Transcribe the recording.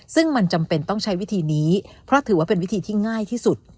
ซึ่งมันจำเป็นต้องใช้วิธีนี้เพราะถือว่าเป็นวิธีที่ง่ายที่สุด